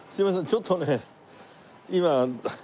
ちょっとね今。